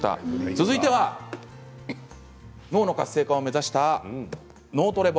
続いては脳の活性化を目指した脳トレ本。